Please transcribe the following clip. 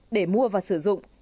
để mua và sử dụng